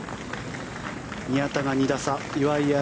宮田が２打差岩井明